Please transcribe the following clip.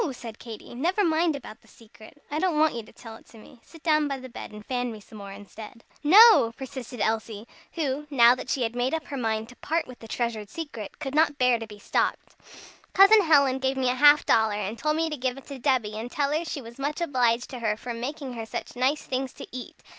said Katy; "never mind about the secret. I don't want you to tell it to me. Sit down by the bed, and fan me some more instead." "No!" persisted Elsie, who, now that she had made up her mind to part with the treasured secret, could not bear to be stopped. "Cousin Helen gave me a half dollar, and told me to give it to Debby, and tell her she was much obliged to her for making her such nice things to eat.